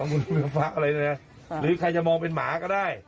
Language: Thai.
ใครจะมองเป็นหมาก็ได้